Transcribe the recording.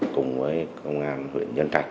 cùng với công an huyện nhân trạch